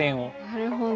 なるほど。